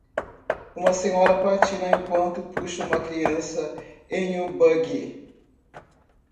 Uma senhora patina enquanto puxa uma criança em um buggy.